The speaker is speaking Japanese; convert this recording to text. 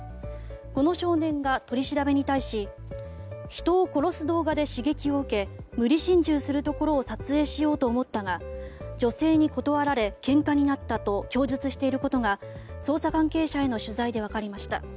この少年が、取り調べに対し人を殺す動画で刺激を受け無理心中するところを撮影しようと思ったが女性に断られ、けんかになったと供述していることが捜査関係者への取材で分かりました。